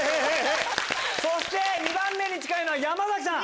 そして２番目に近いのは山崎さん。